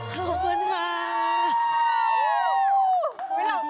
ขอบคุณค่ะ